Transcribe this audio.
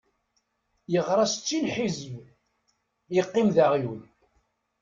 Yeɣra settin ḥizeb, yeqqim d aɣyul.